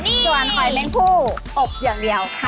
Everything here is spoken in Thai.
ส่วนหอยเม้งผู้อบอย่างเดียวค่ะ